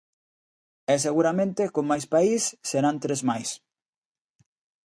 E seguramente con Máis País serán tres máis.